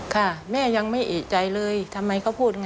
ค่ะแม่ยังไม่เอกใจเลยทำไมเขาพูดไง